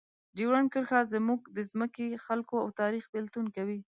ډیورنډ کرښه زموږ د ځمکې، خلکو او تاریخ بېلتون کوي.